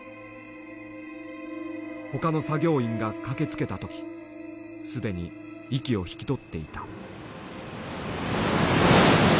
他の作業員が駆けつけた時既に息を引き取っていた。